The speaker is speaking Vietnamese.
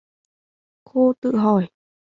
Cô tự hỏi